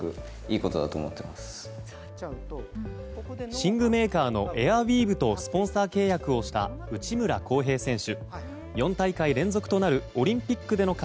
寝具メーカーのエアウィーヴとスポンサー契約をした内村航平選手。